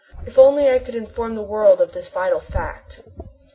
If I could only inform the world of this vital fact!